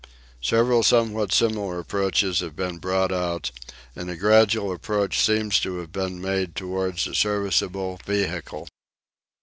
Several somewhat similar devices have been brought out, and a gradual approach seems to have been made towards a serviceable vehicle.